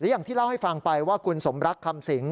อย่างที่เล่าให้ฟังไปว่าคุณสมรักคำสิง